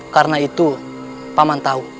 karena itu paman tahu